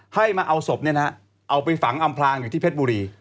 ให้มาเอาศพเอาไปฝังอำพลางอยู่ที่เพชรบุรี